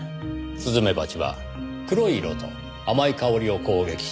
スズメバチは黒い色と甘い香りを攻撃します。